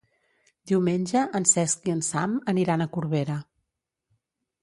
Diumenge en Cesc i en Sam aniran a Corbera.